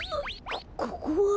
こここは？